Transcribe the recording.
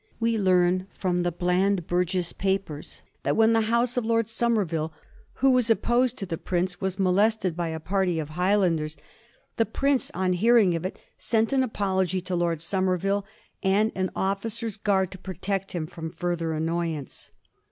We learn from the Bland B urges papers that when the bouse of Lord Somerville, who was opposed to the prince, was molested by a party of Highlanders, the prince, on hear ing of it, sent an apology to Lord Somerville, and an of ficer's guard to protect him from further annoyance.